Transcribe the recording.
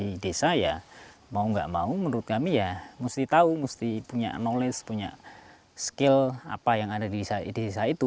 di desa ya mau nggak mau menurut kami ya mesti tahu mesti punya knowledge punya skill apa yang ada di desa itu